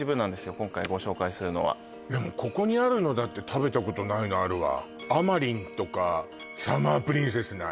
今回ご紹介するのはここにあるのだって食べたことないのあるわあまりんとかサマープリンセスない